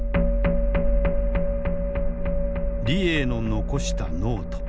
李鋭の残したノート。